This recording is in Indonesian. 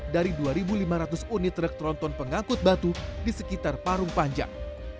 dari dua lima ratus unit truk tronton pengangkut batu di sekitar parung panjang